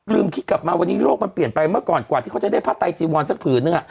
คิดกลับมาวันนี้โลกมันเปลี่ยนไปเมื่อก่อนกว่าที่เขาจะได้ผ้าไตจีวอนสักผืนนึง